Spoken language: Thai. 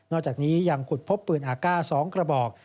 อกจากนี้ยังขุดพบปืนอากาศ๒กระบอก